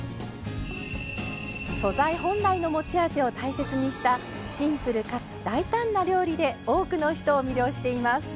素材本来の持ち味を大切にしたシンプルかつ大胆な料理で多くの人を魅了しています。